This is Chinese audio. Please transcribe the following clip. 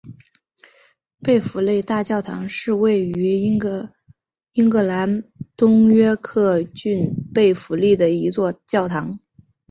贝弗利大教堂是位于英国英格兰东约克郡贝弗利的一座教堂。